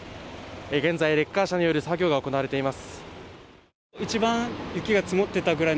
現在、レッカー車による作業が行われています。